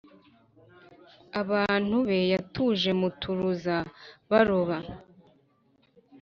abantu be yatuje mu muturuza-baroba.